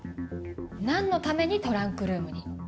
何のためにトランクルームに？